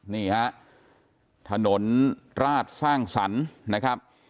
นี่ฮะถนนราชสร้างสรรค์นะครับ